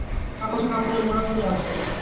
কাগজ ও কাপড়ের মোড়াকগুলো আছে।